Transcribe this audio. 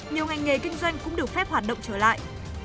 nhiều ngành nghề kinh doanh cũng được phép hoạt động trở lại